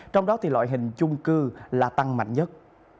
trong đó thì loại hình chung cư là tăng mạnh nhất